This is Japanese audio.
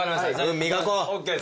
運磨こう。